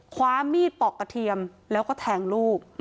คว้ามีดปอกกระเทียมแล้วก็แทงลูก